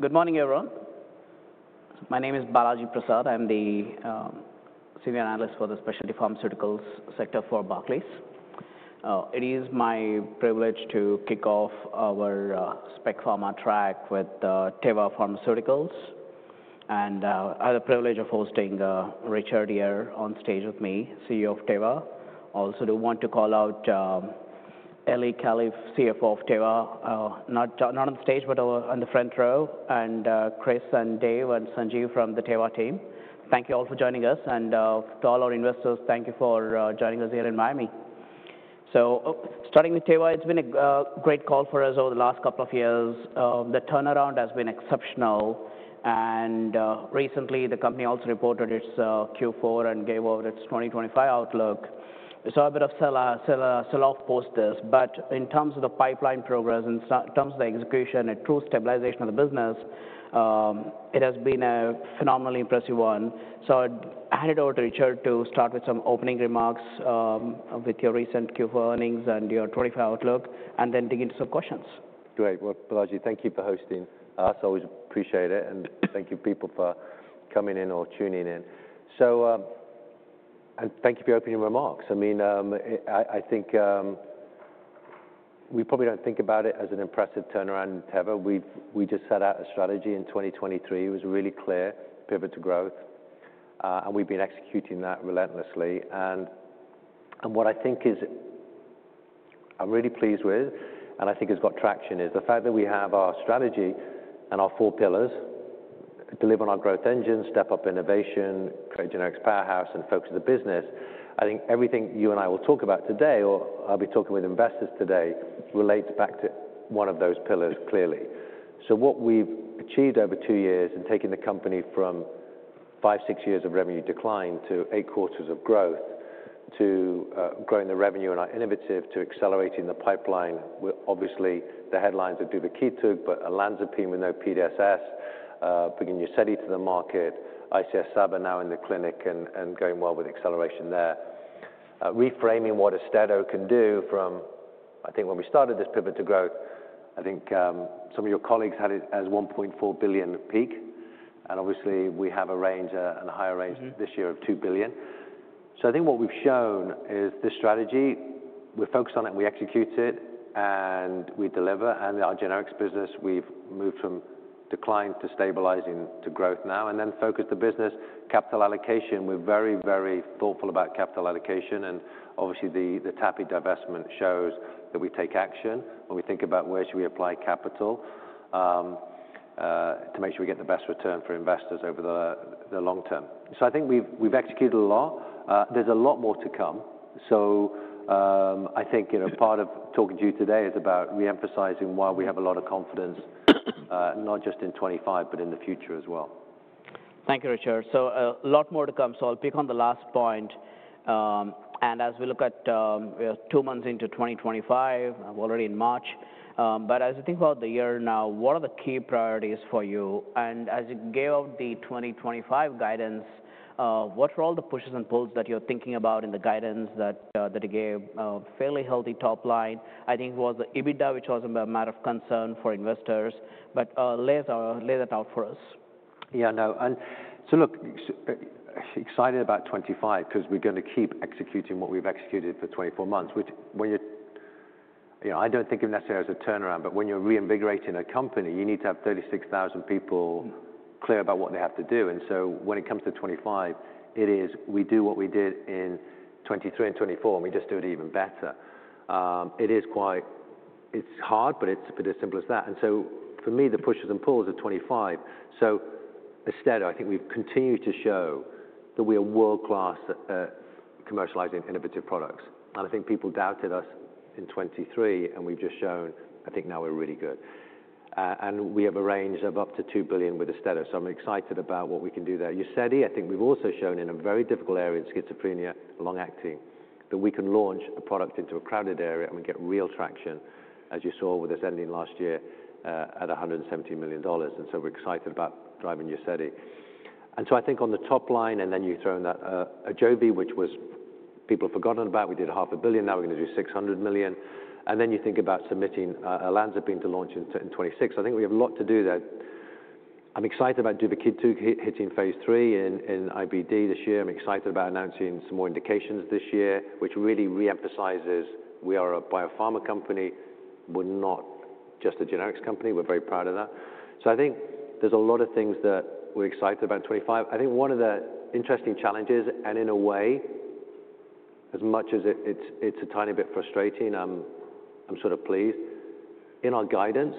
Good morning, everyone. My name is Balaji Prasad. I'm the Senior Analyst for the Specialty Pharmaceuticals sector for Barclays. It is my privilege to kick off our SpecPharma track with Teva Pharmaceutical Industries. I have the privilege of hosting Richard here on stage with me, CEO of Teva. Also, I do want to call out Eli Kalif, CFO of Teva, not on the stage, but on the front row, and Chris and Dave and Sanjeev from the Teva team. Thank you all for joining us. To all our investors, thank you for joining us here in Miami. Starting with Teva, it's been a great call for us over the last couple of years. The turnaround has been exceptional. Recently, the company also reported its Q4 and gave out its 2025 outlook. We saw a bit of sell-off post this. In terms of the pipeline progress and in terms of the execution and true stabilization of the business, it has been a phenomenally impressive one. I hand it over to Richard to start with some opening remarks, with your recent Q4 earnings and your 2025 outlook, and then dig into some questions. Great. Balaji, thank you for hosting. I always appreciate it. Thank you, people, for coming in or tuning in. Thank you for your opening remarks. I mean, I think we probably do not think about it as an impressive turnaround in Teva. We just set out a strategy in 2023. It was really clear, pivot to growth, and we have been executing that relentlessly. What I think I am really pleased with, and I think has got traction, is the fact that we have our strategy and our four pillars: deliver on our growth engine, step up innovation, create a generic powerhouse, and focus the business. I think everything you and I will talk about today, or I will be talking with investors today, relates back to one of those pillars, clearly. What we've achieved over two years in taking the company from five, six years of revenue decline to eight quarters of growth, to growing the revenue and our innovative, to accelerating the pipeline, we're obviously the headlines of Duvakitug, but olanzapine with no PDSS, bringing UZEDY to the market, ICS/SABA now in the clinic, and going well with acceleration there. Reframing what Austedo can do from, I think, when we started this pivot to growth, I think some of your colleagues had it as $1.4 billion peak. Obviously, we have a range, and a higher range this year of $2 billion. I think what we've shown is this strategy, we focus on it, we execute it, and we deliver. Our generics business, we've moved from decline to stabilizing to growth now, and then focus the business capital allocation. We're very, very thoughtful about capital allocation. Obviously, the TAPI divestment shows that we take action when we think about where should we apply capital, to make sure we get the best return for investors over the long term. I think we've executed a lot. There's a lot more to come. I think, you know, part of talking to you today is about reemphasizing why we have a lot of confidence, not just in 2025, but in the future as well. Thank you, Richard. A lot more to come. I'll pick on the last point. As we look at, we are two months into 2025, already in March. As you think about the year now, what are the key priorities for you? As you gave out the 2025 guidance, what were all the pushes and pulls that you're thinking about in the guidance that you gave? Fairly healthy top line. I think it was the EBITDA, which was a matter of concern for investors. Lay that out for us. Yeah, no. Look, excited about 2025 because we're going to keep executing what we've executed for 24 months, which, you know, I don't think of it necessarily as a turnaround, but when you're reinvigorating a company, you need to have 36,000 people clear about what they have to do. When it comes to 2025, it is we do what we did in 2023 and 2024, and we just do it even better. It is quite, it's hard, but it's a bit as simple as that. For me, the pushes and pulls are 2025. Austedo, I think we've continued to show that we are world-class at commercializing innovative products. I think people doubted us in 2023, and we've just shown, I think now we're really good. We have a range of up to $2 billion with Austedo. I'm excited about what we can do there. UZEDY, I think we've also shown in a very difficult area in schizophrenia, long-acting, that we can launch a product into a crowded area and we get real traction, as you saw with us ending last year at $170 million. We're excited about driving UZEDY. I think on the top line, and then you throw in that Austedo, which people have forgotten about, we did $500,000,000, now we're going to do $600 million. Then you think about submitting olanzapine to launch in 2026. I think we have a lot to do there. I'm excited about Duvakitug hitting phase III in IBD this year. I'm excited about announcing some more indications this year, which really reemphasizes we are a biopharma company, we're not just a generics company. We're very proud of that. I think there's a lot of things that we're excited about in 2025. I think one of the interesting challenges, and in a way, as much as it's a tiny bit frustrating, I'm sort of pleased. In our guidance,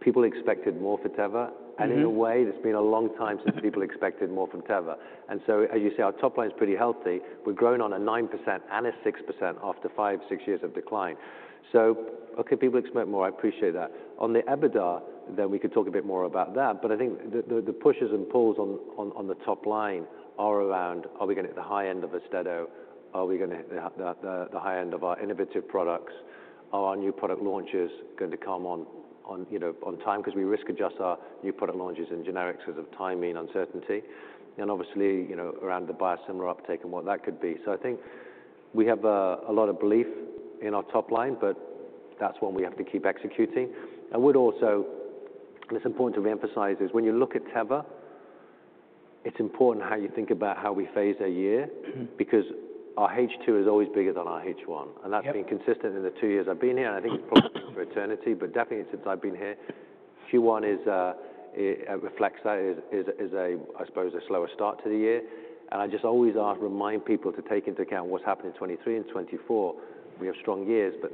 people expected more for Teva. In a way, there's been a long time since people expected more from Teva. As you say, our top line is pretty healthy. We've grown on a 9% and a 6% after five, six years of decline. Okay, people expect more. I appreciate that. On the EBITDA, we could talk a bit more about that. I think the pushes and pulls on the top line are around, are we going to hit the high end of Austedo? Are we going to hit the high end of our innovative products? Are our new product launches going to come on, you know, on time? Because we risk adjust our new product launches in generics because of timing uncertainty. Obviously, you know, around the biosimilar uptake and what that could be. I think we have a lot of belief in our top line, but that's what we have to keep executing. I would also, and it's important to reemphasize, is when you look at Teva, it's important how you think about how we phase a year because our H2 is always bigger than our H1. That's been consistent in the two years I've been here. I think it's probably for eternity, but definitely since I've been here. Q1 is, it reflects that is, is a, I suppose, a slower start to the year. I just always remind people to take into account what has happened in 2023 and 2024. We have strong years, but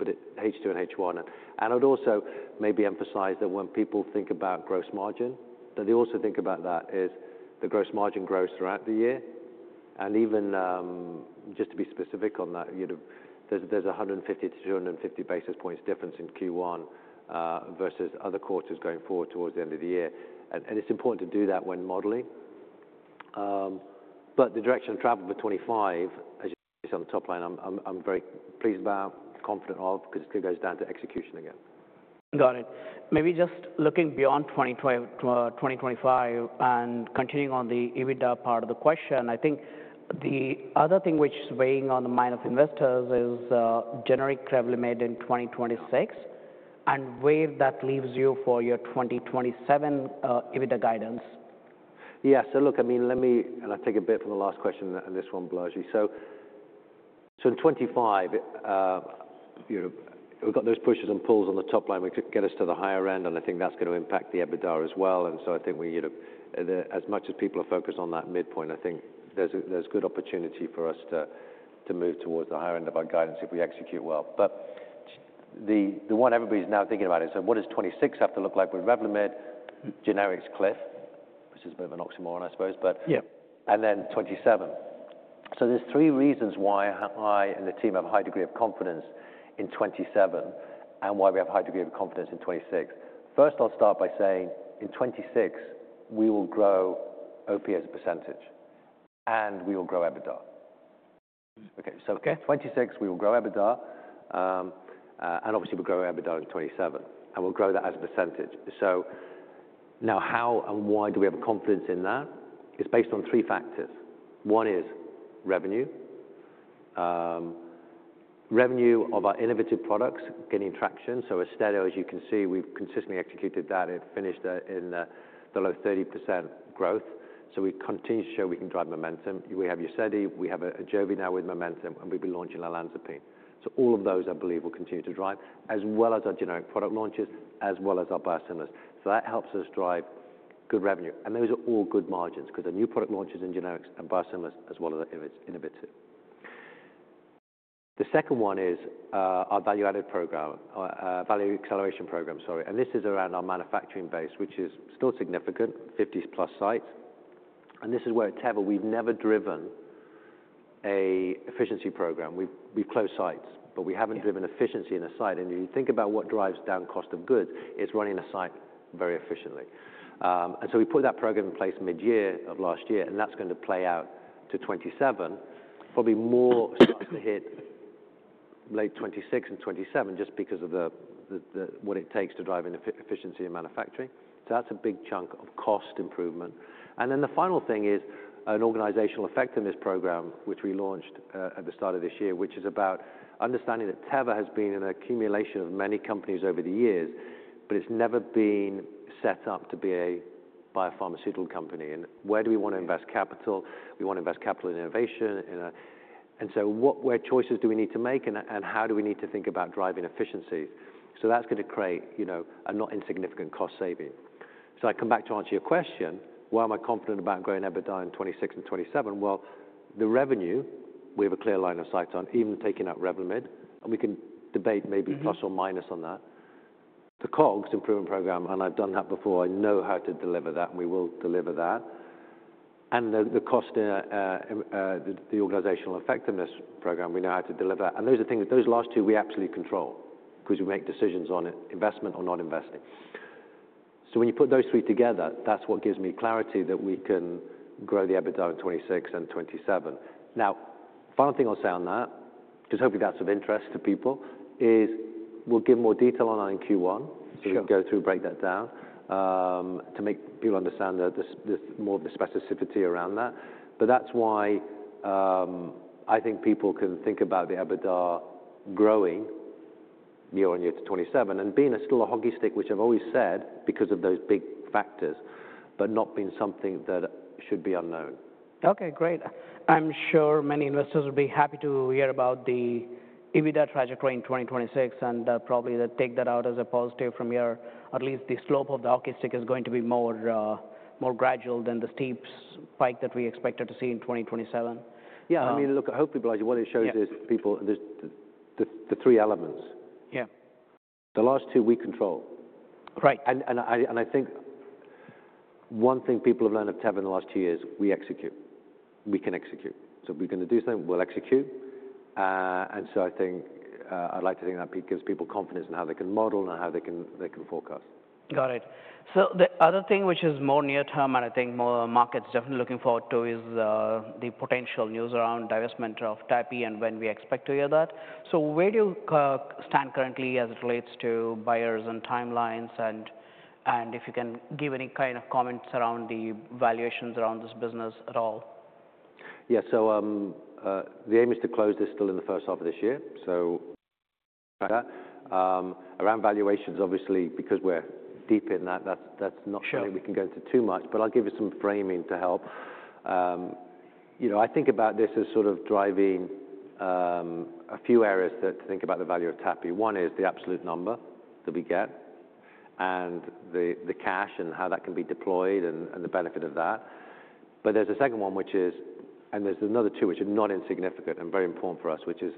H2 and H1. I would also maybe emphasize that when people think about gross margin, they also think about that is the gross margin grows throughout the year. Even, just to be specific on that, you know, there is 150 to 250 basis points difference in Q1, versus other quarters going forward towards the end of the year. It is important to do that when modeling. The direction of travel for 2025, as you see on the top line, I am very pleased about, confident of, because it still goes down to execution again. Got it. Maybe just looking beyond 2025 and continuing on the EBITDA part of the question, I think the other thing which is weighing on the mind of investors is, generic Revlimid in 2026 and where that leaves you for your 2027 EBITDA guidance. Yeah. Look, I mean, let me, and I'll take a bit from the last question and this one, Balaji. In 2025, we've got those pushes and pulls on the top line which get us to the higher end, and I think that's going to impact the EBITDA as well. I think we, you know, as much as people are focused on that midpoint, I think there's a, there's good opportunity for us to move towards the higher end of our guidance if we execute well. The one everybody's now thinking about is, what does 2026 have to look like with Revlimid? Generics cliff, which is a bit of an oxymoron, I suppose. Yeah. There are three reasons why I and the team have a high degree of confidence in 2027 and why we have a high degree of confidence in 2026. First, I'll start by saying in 2026, we will grow OP as a percentage and we will grow EBITDA. Okay. For 2026, we will grow EBITDA, and obviously we'll grow EBITDA in 2027 and we'll grow that as a percentage. Now, how and why do we have confidence in that? It's based on three factors. One is revenue, revenue of our innovative products getting traction. So Austedo, as you can see, we've consistently executed that. It finished in the low 30% growth. We continue to show we can drive momentum. We have UZEDY. We have AJOVY now with momentum, and we've been launching our olanzapine. All of those, I believe, will continue to drive, as well as our generic product launches, as well as our biosimilars. That helps us drive good revenue. Those are all good margins because our new product launches in generics and biosimilars as well as innovative. The second one is our value-added program, value acceleration program, sorry. This is around our manufacturing base, which is still significant, 50 plus sites. This is where at Teva, we've never driven an efficiency program. We've closed sites, but we haven't driven efficiency in a site. If you think about what drives down cost of goods, it's running a site very efficiently. We put that program in place mid-year of last year, and that's going to play out to 2027. Probably more starts to hit late 2026 and 2027 just because of what it takes to drive efficiency in manufacturing. That is a big chunk of cost improvement. The final thing is an organizational effectiveness program, which we launched at the start of this year, which is about understanding that Teva has been an accumulation of many companies over the years, but it has never been set up to be a biopharmaceutical company. Where do we want to invest capital? We want to invest capital in innovation. What choices do we need to make and how do we need to think about driving efficiencies? That is going to create, you know, a not insignificant cost saving. I come back to answer your question, why am I confident about growing EBITDA in 2026 and 2027? The revenue, we have a clear line of sight on even taking out Revlimid, and we can debate maybe plus or minus on that. The COGS improvement program, and I've done that before. I know how to deliver that, and we will deliver that. The cost, the organizational effectiveness program, we know how to deliver that. Those are things, those last two we absolutely control because we make decisions on it, investment or not investing. When you put those three together, that's what gives me clarity that we can grow the EBITDA in 2026 and 2027. Final thing I'll say on that, because hopefully that's of interest to people, is we'll give more detail on that in Q1. We'll go through, break that down, to make people understand the more of the specificity around that. That's why, I think people can think about the EBITDA growing year on year to 2027 and being still a hockey stick, which I've always said because of those big factors, but not being something that should be unknown. Okay, great. I'm sure many investors will be happy to hear about the EBITDA trajectory in 2026 and probably they'll take that out as a positive from here. At least the slope of the hockey stick is going to be more, more gradual than the steep spike that we expected to see in 2027. Yeah. I mean, look, I hope people, what it shows is people, there's the three elements. Yeah. The last two we control. Right. I think one thing people have learned of Teva in the last two years, we execute. We can execute. If we're going to do something, we'll execute. I think, I'd like to think that gives people confidence in how they can model and how they can forecast. Got it. The other thing, which is more near-term and I think more markets definitely looking forward to is, the potential news around divestment of TAPI and when we expect to hear that. Where do you stand currently as it relates to buyers and timelines, and if you can give any kind of comments around the valuations around this business at all? Yeah. The aim is to close this still in the first half of this year. Around valuations, obviously, because we're deep in that, that's not something we can go into too much, but I'll give you some framing to help. You know, I think about this as sort of driving a few areas to think about the value of TAPI. One is the absolute number that we get and the cash and how that can be deployed and the benefit of that. There's a second one, and there's another two, which are not insignificant and very important for us, which is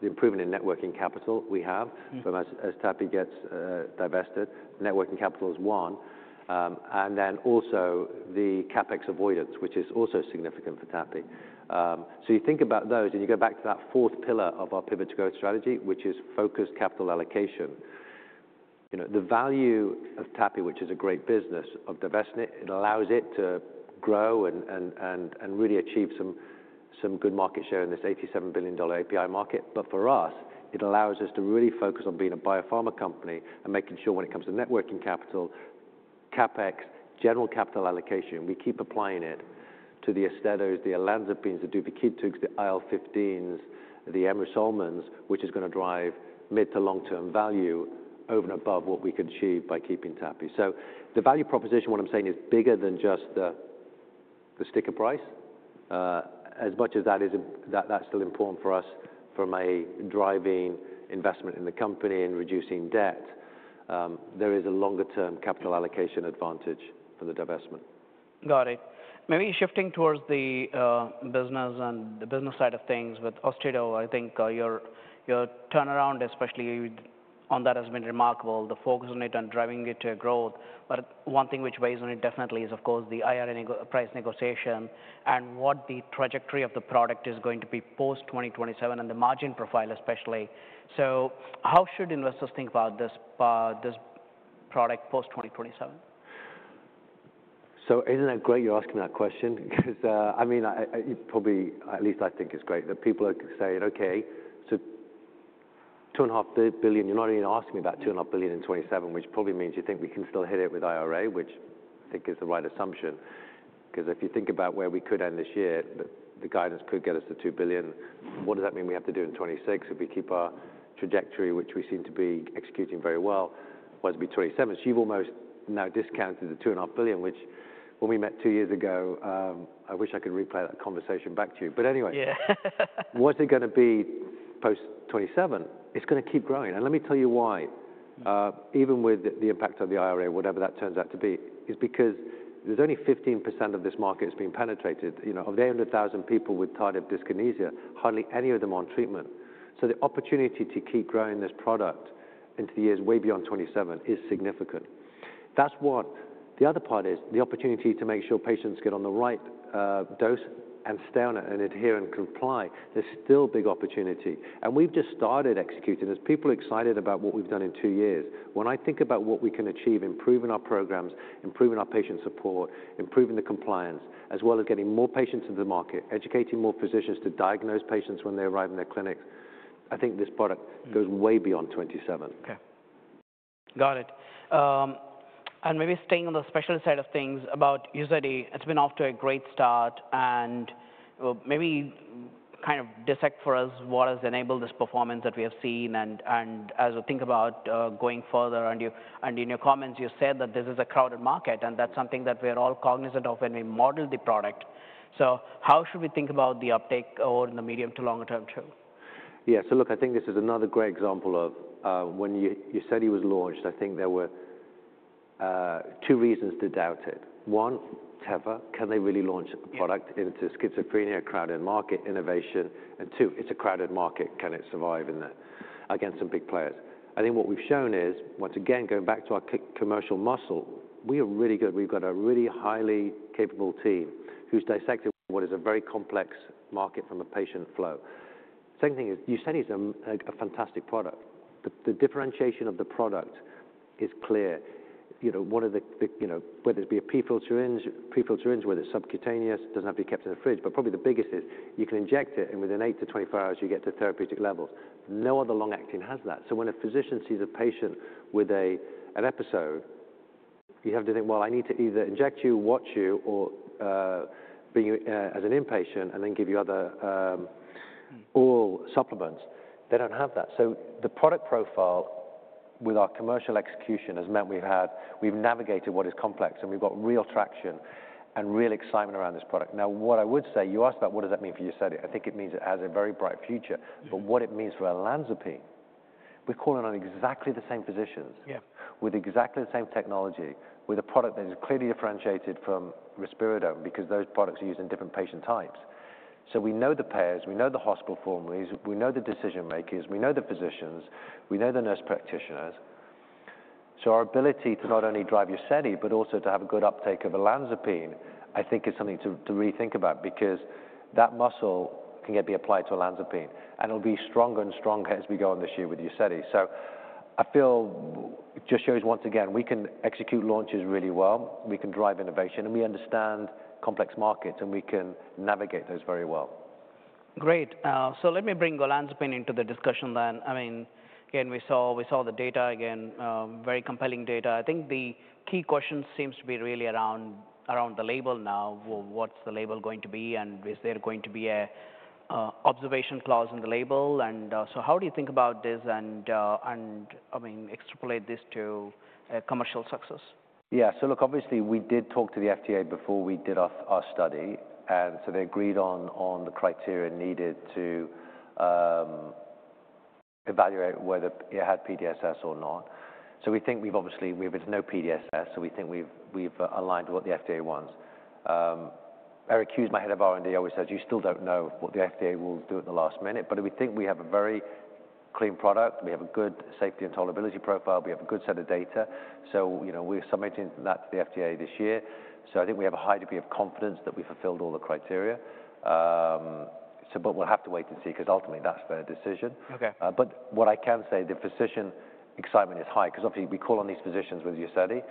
the improvement in net working capital we have from, as TAPI gets divested. Networking capital is one, and then also the CapEx avoidance, which is also significant for TAPI. You think about those and you go back to that fourth pillar of our Pivot to Growth strategy, which is focused capital allocation. You know, the value of TAPI, which is a great business, of divesting it, it allows it to grow and really achieve some good market share in this $87 billion API market. For us, it allows us to really focus on being a biopharma company and making sure when it comes to net working capital, CapEx, general capital allocation, we keep applying it to the Austedos, the olanzapines, the Duvakitugs, the IL15s, the Emrusolmins, which is going to drive mid to long-term value over and above what we could achieve by keeping TAPI. The value proposition, what I'm saying, is bigger than just the sticker price. As much as that is, that's still important for us from a driving investment in the company and reducing debt, there is a longer-term capital allocation advantage for the divestment. Got it. Maybe shifting towards the business and the business side of things with Austedo, I think your turnaround, especially on that, has been remarkable, the focus on it and driving it to growth. One thing which weighs on it definitely is, of course, the IRA price negotiation and what the trajectory of the product is going to be post-2027 and the margin profile, especially. How should investors think about this product post-2027? Isn't it great you're asking that question? Because, I mean, I probably, at least I think it's great that people are saying, okay, $2.5 billion, you're not even asking me about $2.5 billion in 2027, which probably means you think we can still hit it with IRA, which I think is the right assumption. Because if you think about where we could end this year, the guidance could get us to $2 billion. What does that mean we have to do in 2026 if we keep our trajectory, which we seem to be executing very well, was be 2027? You have almost now discounted the $2.5 billion, which when we met two years ago, I wish I could replay that conversation back to you. Anyway, what's it going to be post-2027? It's going to keep growing. Let me tell you why. Even with the impact of the IRA, whatever that turns out to be, it is because there is only 15% of this market that has been penetrated, you know, of the 800,000 people with tardive dyskinesia, hardly any of them are on treatment. The opportunity to keep growing this product into the years way beyond 2027 is significant. That is one. The other part is the opportunity to make sure patients get on the right dose and stay on it and adhere and comply. There is still big opportunity. We have just started executing. There are people excited about what we have done in two years. When I think about what we can achieve, improving our programs, improving our patient support, improving the compliance, as well as getting more patients into the market, educating more physicians to diagnose patients when they arrive in their clinics, I think this product goes way beyond 2027. Okay. Got it. And maybe staying on the specialty side of things about UZEDY, it's been off to a great start and maybe kind of dissect for us what has enabled this performance that we have seen and, and as we think about going further and you, and in your comments, you said that this is a crowded market and that's something that we are all cognizant of when we model the product. So how should we think about the uptake over in the medium to longer term too? Yeah. Look, I think this is another great example of, when you said UZEDY was launched, I think there were two reasons to doubt it. One, Teva, can they really launch a product into schizophrenia, crowded market innovation? Two, it's a crowded market. Can it survive in that against some big players? I think what we've shown is, once again, going back to our commercial muscle, we are really good. We've got a really highly capable team who's dissected what is a very complex market from a patient flow. Same thing is UZEDY is a fantastic product. The differentiation of the product is clear. You know, one of the, you know, whether it's be a pre-filled syringe, pre-filled syringe, whether it's subcutaneous, doesn't have to be kept in the fridge, but probably the biggest is you can inject it and within 8-24 hours, you get to therapeutic levels. No other long-acting has that. When a physician sees a patient with an episode, you have to think, I need to either inject you, watch you, or, being, as an inpatient and then give you other, oral supplements. They don't have that. The product profile with our commercial execution has meant we've had, we've navigated what is complex and we've got real traction and real excitement around this product. Now, what I would say, you asked about what does that mean for UZEDY? I think it means it has a very bright future. What it means for olanzapine, we're calling on exactly the same physicians with exactly the same technology, with a product that is clearly differentiated from risperidone because those products are used in different patient types. We know the payers, we know the hospital formularies, we know the decision makers, we know the physicians, we know the nurse practitioners. Our ability to not only drive UZEDY, but also to have a good uptake of olanzapine, I think is something to rethink about because that muscle can be applied to olanzapine and it'll be stronger and stronger as we go on this year with UZEDY. I feel it just shows once again, we can execute launches really well. We can drive innovation and we understand complex markets and we can navigate those very well. Great. Let me bring the olanzapine into the discussion then. I mean, again, we saw, we saw the data again, very compelling data. I think the key question seems to be really around, around the label now. What's the label going to be and is there going to be a observation clause in the label? I mean, how do you think about this and, and I mean, extrapolate this to a commercial success? Yeah. So look, obviously we did talk to the FDA before we did our study. And so they agreed on the criteria needed to evaluate whether it had PDSS or not. So we think we've obviously, we've had no PDSS. So we think we've aligned what the FDA wants. Eric Hughes, my Head of R&D, always says, you still don't know what the FDA will do at the last minute, but we think we have a very clean product. We have a good safety and tolerability profile. We have a good set of data. So, you know, we're submitting that to the FDA this year. So I think we have a high degree of confidence that we fulfilled all the criteria. So, but we'll have to wait and see because ultimately that's their decision. Okay. What I can say, the physician excitement is high because obviously we call on these physicians with UZEDY.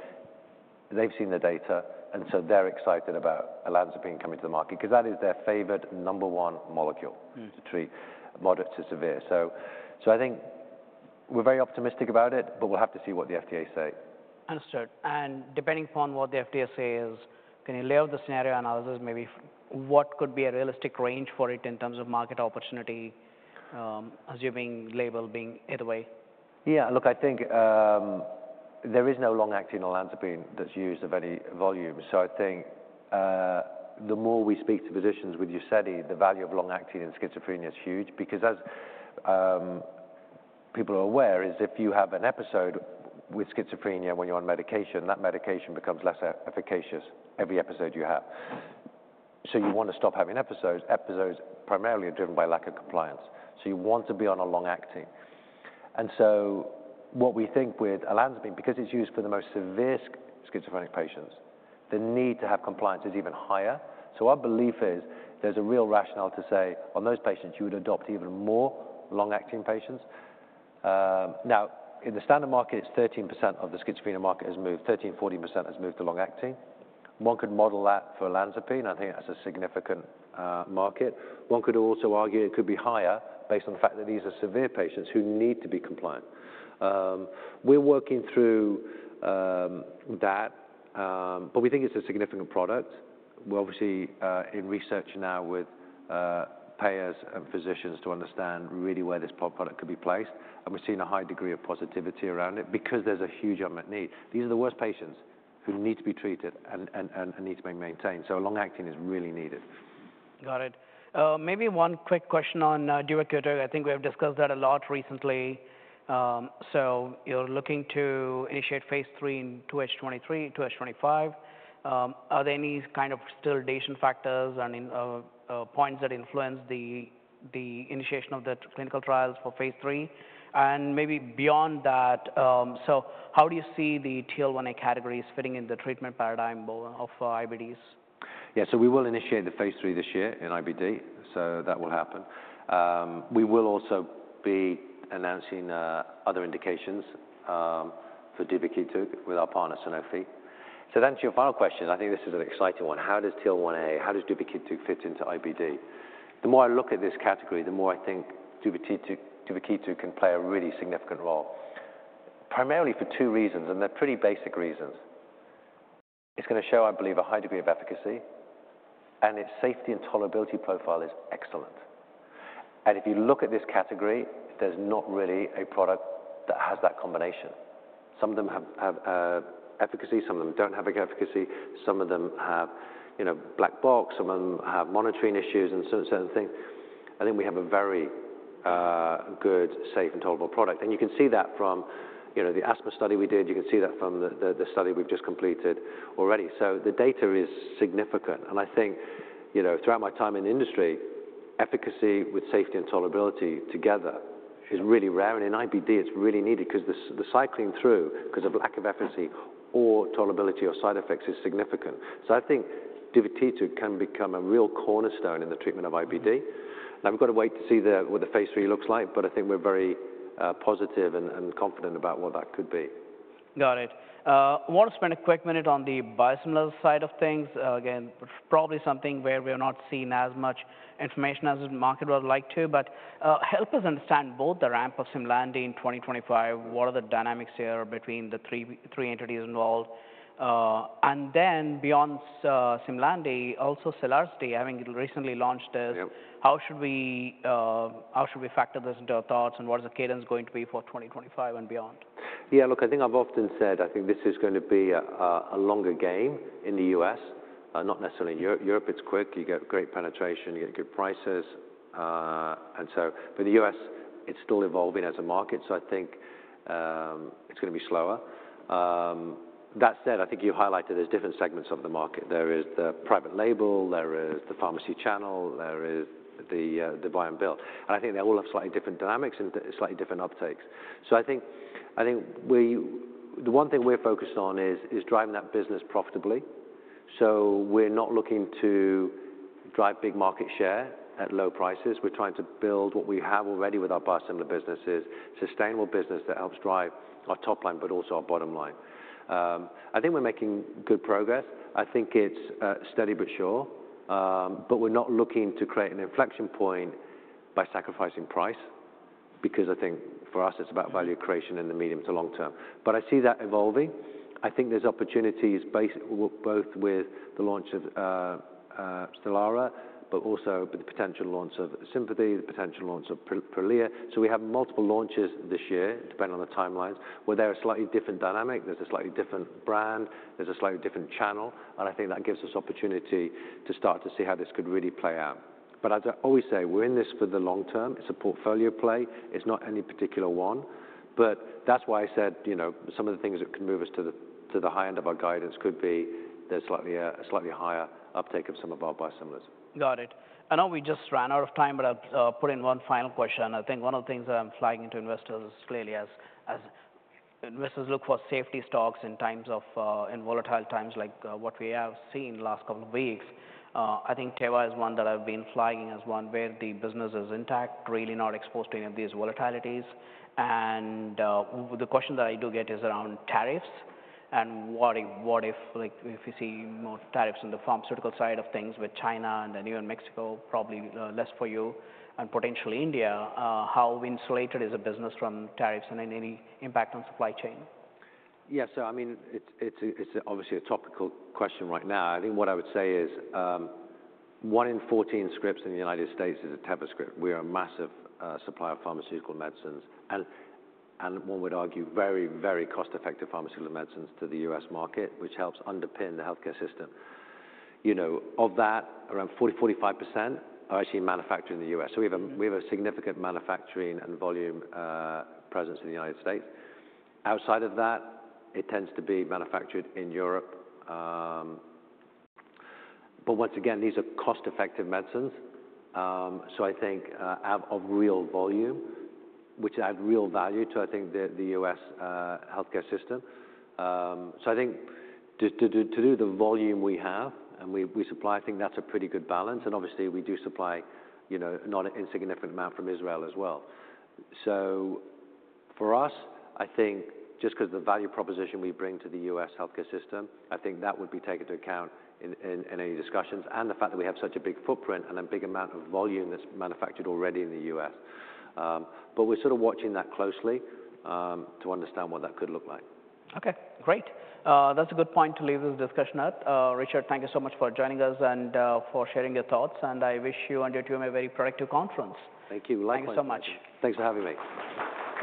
They've seen the data and so they're excited about olanzapine coming to the market because that is their favorite number one molecule to treat moderate to severe. I think we're very optimistic about it, but we'll have to see what the FDA say. Understood. Depending upon what the FDA says, can you lay out the scenario analysis, maybe what could be a realistic range for it in terms of market opportunity, assuming label being either way? Yeah. Look, I think there is no long-acting olanzapine that's used of any volume. I think the more we speak to physicians, we see the value of long-acting in schizophrenia is huge because, as people are aware, if you have an episode with schizophrenia when you're on medication, that medication becomes less efficacious every episode you have. You want to stop having episodes. Episodes primarily are driven by lack of compliance. You want to be on a long-acting. What we think with olanzapine, because it's used for the most severe schizophrenic patients, the need to have compliance is even higher. Our belief is there's a real rationale to say on those patients, you would adopt even more long-acting patients. Now in the standard market, it's 13% of the schizophrenia market has moved, 13%, 40% has moved to long-acting. One could model that for olanzapine. I think that's a significant market. One could also argue it could be higher based on the fact that these are severe patients who need to be compliant. We're working through that, but we think it's a significant product. We're obviously in research now with payers and physicians to understand really where this product could be placed. We've seen a high degree of positivity around it because there's a huge unmet need. These are the worst patients who need to be treated and need to be maintained. Long-acting is really needed. Got it. Maybe one quick question on Duvakitug. I think we have discussed that a lot recently. You're looking to initiate phase III in 2H 2023, 2H 2025. Are there any kind of still dating factors and points that influence the initiation of the clinical trials for phase III? Maybe beyond that, how do you see the TL1A categories fitting in the treatment paradigm of IBDs? Yeah. We will initiate the phase III this year in IBD. That will happen. We will also be announcing other indications for Duvakitug with our partner Sanofi. To your final question, I think this is an exciting one. How does TL1A, how does Duvakitug fit into IBD? The more I look at this category, the more I think Duvakitug can play a really significant role, primarily for two reasons, and they're pretty basic reasons. It's going to show, I believe, a high degree of efficacy and its safety and tolerability profile is excellent. If you look at this category, there's not really a product that has that combination. Some of them have efficacy. Some of them don't have efficacy. Some of them have, you know, black box. Some of them have monitoring issues and certain things. I think we have a very good, safe, and tolerable product. You can see that from, you know, the asthma study we did. You can see that from the study we've just completed already. The data is significant. I think, you know, throughout my time in the industry, efficacy with safety and tolerability together is really rare. In IBD, it's really needed because the cycling through, because of lack of efficacy or tolerability or side effects, is significant. I think Duvakitug can become a real cornerstone in the treatment of IBD. Now we've got to wait to see what the phase III looks like, but I think we're very positive and confident about what that could be. Got it. I want to spend a quick minute on the biosimilar side of things. Again, probably something where we have not seen as much information as the market would like to, but help us understand both the ramp of SIMLANDI in 2025, what are the dynamics here between the three, three entities involved? And then beyond, SIMLANDI, also SELARSDI having recently launched this. How should we, how should we factor this into our thoughts and what is the cadence going to be for 2025 and beyond? Yeah, look, I think I've often said, I think this is going to be a longer game in the U.S., not necessarily in Europe. Europe is quick. You get great penetration, you get good prices, and the U.S., it's still evolving as a market. I think it's going to be slower. That said, I think you highlighted there's different segments of the market. There is the private label, there is the pharmacy channel, there is the buy and build. I think they all have slightly different dynamics and slightly different uptakes. I think the one thing we're focused on is driving that business profitably. We're not looking to drive big market share at low prices. We're trying to build what we have already with our biosimilar businesses, sustainable business that helps drive our top line, but also our bottom line. I think we're making good progress. I think it's steady but sure. We're not looking to create an inflection point by sacrificing price because I think for us it's about value creation in the medium to long term. I see that evolving. I think there's opportunities based both with the launch of SELARSDI, but also with the potential launch of SIMLANDI, the potential launch of Prolia. We have multiple launches this year, depending on the timelines, where there's a slightly different dynamic. There's a slightly different brand. There's a slightly different channel. I think that gives us opportunity to start to see how this could really play out. As I always say, we're in this for the long term. It's a portfolio play. It's not any particular one. That's why I said, you know, some of the things that could move us to the high end of our guidance could be there's a slightly higher uptake of some of our biosimilars. Got it. I know we just ran out of time, but I'll put in one final question. I think one of the things that I'm flagging to investors is clearly as investors look for safety stocks in volatile times like what we have seen last couple of weeks. I think Teva is one that I've been flagging as one where the business is intact, really not exposed to any of these volatilities. The question that I do get is around tariffs and what if, like, if you see more tariffs on the pharmaceutical side of things with China and then you and Mexico, probably less for you and potentially India, how insulated is a business from tariffs and any impact on supply chain? Yeah. I mean, it's obviously a topical question right now. I think what I would say is, one in 14 scripts in the United States is a Teva script. We are a massive supplier of pharmaceutical medicines and, and one would argue very, very cost-effective pharmaceutical medicines to the U.S. market, which helps underpin the healthcare system. You know, of that, around 40%, 45% are actually manufactured in the U.S. We have a significant manufacturing and volume presence in the United States. Outside of that, it tends to be manufactured in Europe. Once again, these are cost-effective medicines. I think they have a real volume, which add real value to, I think, the U.S. healthcare system. I think to do the volume we have and we supply, I think that's a pretty good balance. We do supply, you know, not an insignificant amount from Israel as well. For us, I think just because the value proposition we bring to the U.S. healthcare system, I think that would be taken into account in any discussions and the fact that we have such a big footprint and a big amount of volume that's manufactured already in the U.S. We're sort of watching that closely, to understand what that could look like. Okay. Great. That's a good point to leave this discussion at. Richard, thank you so much for joining us and for sharing your thoughts. I wish you and your team a very productive conference. Thank you. Likewise. Thank you so much. Thanks for having me.